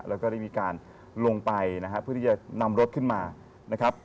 แล้วก็ได้มีการลงไปนะฮะเพื่อที่จะนำรถขึ้นมานะครับ